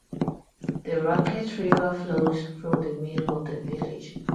The Raquette River flows through the middle of the village.